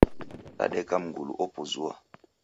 Dadeka mngulu opuzua.